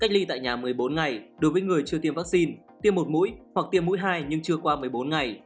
cách ly tại nhà một mươi bốn ngày đối với người chưa tiêm vaccine tiêm một mũi hoặc tiêm mũi hai nhưng chưa qua một mươi bốn ngày